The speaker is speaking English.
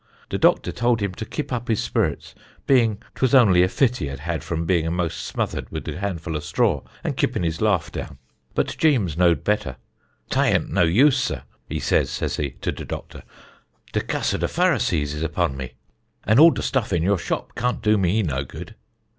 De doctor told him to kip up his sperits, beein' 'twas onny a fit he had had from bein' a most smothered wud de handful of strah and kippin his laugh down. But Jeems knowed better. 'Tā ünt no use, sir,' he says, says he, to de doctor; 'de cuss of de Pharisees is uppán me, and all de stuff in your shop can't do me no good.'